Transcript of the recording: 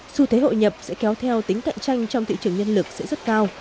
dù thế hội nhập sẽ kéo theo tính cạnh tranh trong thị trường nhân lực sẽ rất cao